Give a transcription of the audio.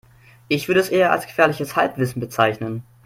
Ich würde es eher als gefährliches Halbwissen bezeichnen.